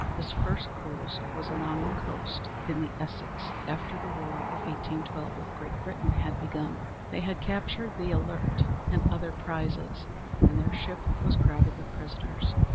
His first cruise was along the coast, in the Essex, after the war of 1812 with Great Britain had begun. They had captured the Alert and other prizes, and their ship was crowded with prisoners.